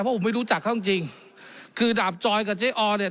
เพราะผมไม่รู้จักเขาจริงจริงคือดาบจอยกับเจ๊อเนี่ย